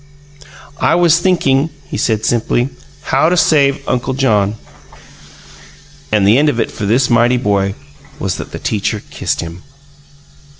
"I was thinking," he said simply, "how to save Uncle John." And the end of it for this mighty boy was that the teacher kissed him!